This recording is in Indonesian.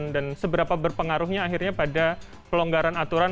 dan seberapa berpengaruhnya akhirnya pada pelonggaran aturan